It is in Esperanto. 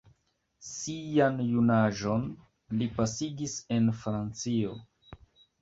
Sian junaĝon li pasigis en Francio.